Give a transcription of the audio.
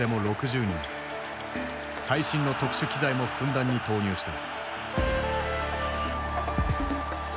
最新の特殊機材もふんだんに投入した。